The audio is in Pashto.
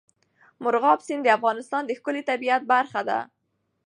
مورغاب سیند د افغانستان د ښکلي طبیعت برخه ده.